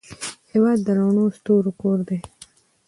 هېواد د رڼو ستورو کور دی.